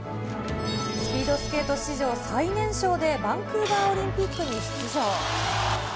スピードスケート史上最年少でバンクーバーオリンピックに出場。